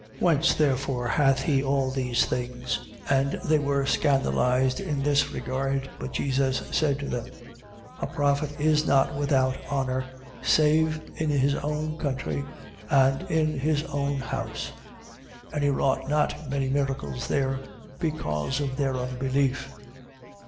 Whence therefore hath he all these things? 13:57. And they were scandalized in his regard. But Jesus said to them: A prophet is not without honour, save in his own country, and in his own house. 13:58. And he wrought not many miracles there, because of their unbelief.